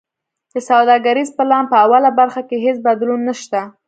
د سوداګریز پلان په اوله برخه کی هیڅ بدلون نشته.